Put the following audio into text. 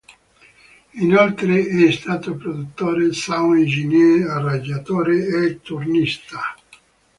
Inoltre è stato produttore, sound engineer, arrangiatore e turnista.